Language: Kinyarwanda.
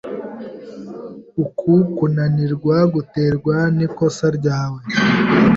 Uku kunanirwa guterwa nikosa ryawe.